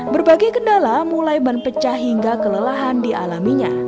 berbagai kendala mulai ban pecah hingga kelelahan di alaminya